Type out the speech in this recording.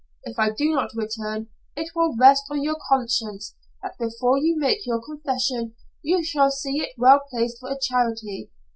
If I do not return, it will rest on your conscience that before you make your confession, you shall see it well placed for a charity.